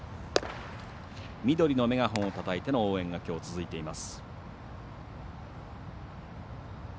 緑のメガホンをたたいての応援がきょう、続いています。